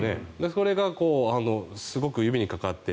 それがすごく指にかかって。